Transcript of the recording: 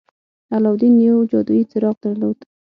علاوالدين يو جادويي څراغ درلود.